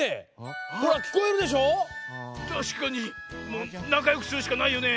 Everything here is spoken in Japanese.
もうなかよくするしかないよね。